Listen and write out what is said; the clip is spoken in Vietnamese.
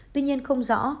tuy nhiên không rõ